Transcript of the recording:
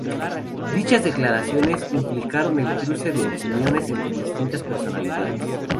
Dichas declaraciones implicaron el cruce de opiniones entre distintas personalidades.